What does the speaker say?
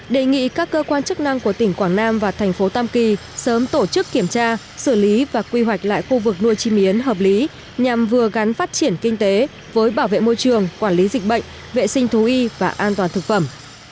đề nghị các cơ quan chức năng của tỉnh quảng nam và thành phố tam kỳ sớm tổ chức kiểm tra xử lý và quy hoạch lại khu vực nuôi chim yến hợp lý nhằm vừa gắn phát triển kinh tế với bảo vệ môi trường quản lý dịch bệnh vệ sinh thú y và an toàn thực phẩm